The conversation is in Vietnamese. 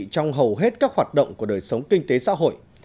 trong hầu hết các hoạt động của đời sống kinh tế xã hội